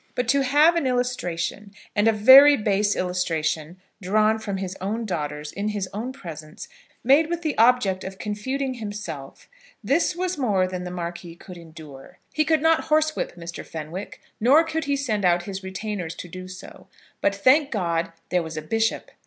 But to have an illustration, and a very base illustration, drawn from his own daughters in his own presence, made with the object of confuting himself, this was more than the Marquis could endure. He could not horsewhip Mr. Fenwick; nor could he send out his retainers to do so; but, thank God, there was a bishop!